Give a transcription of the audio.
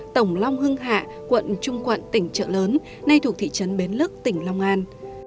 tổng long hưng hạ quận trung quận tỉnh trợ lớn nay thuộc thị trấn bến lức tỉnh long an